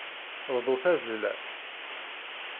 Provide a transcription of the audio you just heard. Bdu tazzla.